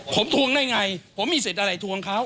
ผมทวงได้ไงผมมีสิทธิ์อะไรทวงเขา